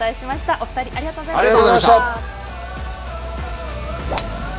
お二人、ありがとうございました。